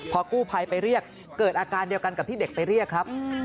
พอกู้ภัยไปเรียกเกิดอาการเดียวกันกับที่เด็กไปเรียกครับ